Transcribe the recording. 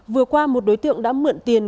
vừa qua một đối tượng đã mượn tiền